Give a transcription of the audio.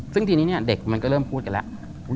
ซึ่งทีนี้เด็กมันก็เริ่มพูดกันแล้ว